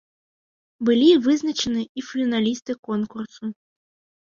Былі вызначаны і фіналісты конкурсу.